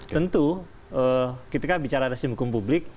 tentu ketika bicara resim hukum publik